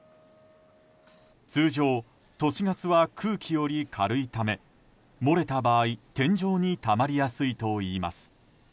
通常都市ガスは空気より軽いため漏れた場合天井にたまりやすいといいます。